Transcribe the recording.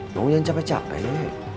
kamu jangan capek capek